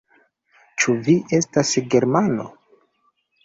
Ĉu vi estas germano?